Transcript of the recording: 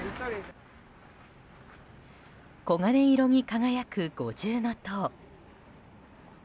黄金色に輝く、五重塔。